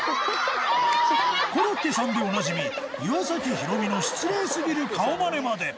コロッケさんでおなじみ岩崎宏美の失礼すぎる顔マネまで。